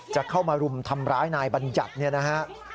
จะเข้ามารุมทำร้ายนายบัญญัติเนี่ยนะฮะ